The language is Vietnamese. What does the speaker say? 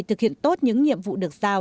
thực hiện tốt những nhiệm vụ được giao